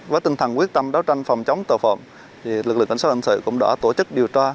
với tinh thần quyết tâm đấu tranh phòng chống tàu phộng lực lượng cảnh sát ẩn sở cũng đã tổ chức điều tra